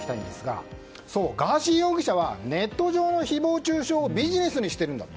ガーシー容疑者はネット上の誹謗中傷をビジネスにしているんだと。